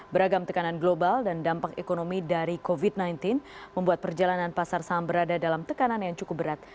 beragam tekanan global dan dampak ekonomi dari covid sembilan belas membuat perjalanan pasar saham berada dalam tekanan yang cukup berat